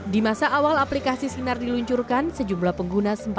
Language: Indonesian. di masa awal aplikasi sinar diluncurkan sejumlah pengguna sempat